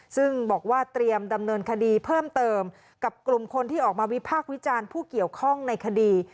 ซึ่งบอกว่าเตรียมดำเนินคดีเพิ่มเติมกับกลุ่มคนที่ออกมาวิพากษ์วิจารณ์ผู้เกี่ยวข้องในคดี